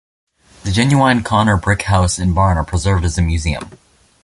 The genuine Conner brick house and barn are preserved as a museum.